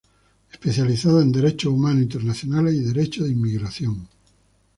Especializada en derechos humanos internacionales y derecho de inmigración.